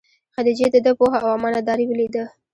خدیجې دده پوهه او امانت داري ولیده.